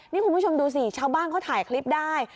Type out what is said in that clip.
นี่คุณผู้ชมดูสิชาวบ้านเขาถ่ายคลิปได้